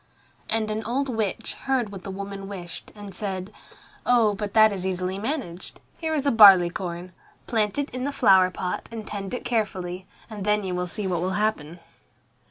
And an old witch heard what the woman wished, and said, "Oh, but that is easily managed. Here is a barley corn. Plant it in a flower pot and tend it carefully, and then you will see what will happen."